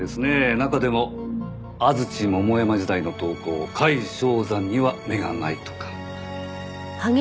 中でも安土桃山時代の陶工櫂象仙には目がないとか。